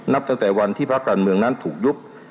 ตั้งแต่วันที่พักการเมืองนั้นถูกยุบ